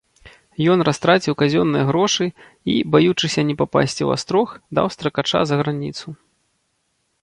Ён растраціў казённыя грошы і, баючыся не папасці ў астрог, даў стракача за граніцу.